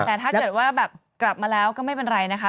แต่ถ้าเกิดว่าแบบกลับมาแล้วก็ไม่เป็นไรนะคะ